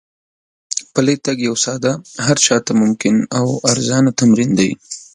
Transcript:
پلی تګ یو ساده، هر چا ته ممکن او ارزانه تمرین دی.